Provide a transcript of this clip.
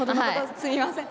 すいません。